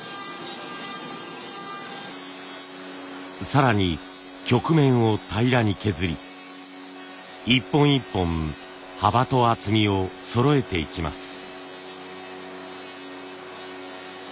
更に曲面を平らに削り一本一本幅と厚みをそろえていきます。